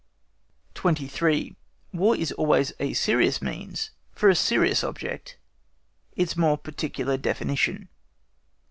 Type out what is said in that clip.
23. WAR IS ALWAYS A SERIOUS MEANS FOR A SERIOUS OBJECT. ITS MORE PARTICULAR DEFINITION.